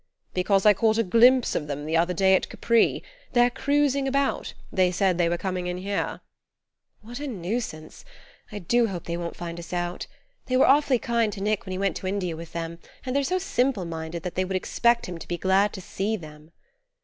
"Because I caught a glimpse of them the other day at Capri. They're cruising about: they said they were coming in here." "What a nuisance! I do hope they won't find us out. They were awfully kind to Nick when he went to India with them, and they're so simple minded that they would expect him to be glad to see them."